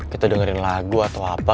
kita dengerin lagu atau apa